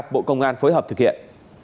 bộ công an phối hợp thực hiện